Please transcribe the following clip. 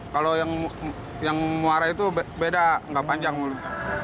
kalau yang muara itu beda nggak panjang mulut